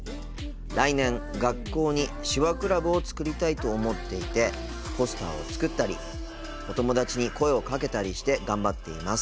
来年学校に“手話クラブ”を作りたいと思っていてポスターを作ったりお友達に声をかけたりして頑張っています。